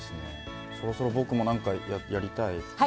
そろそろ僕も何かやりたいな。